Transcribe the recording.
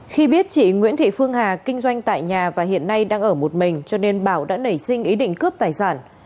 khi biết chị nguyễn thị phương hà kinh doanh tại nhà và hiện nay đang ở một mình cho nên bảo đã nảy sinh ý định cướp tài sản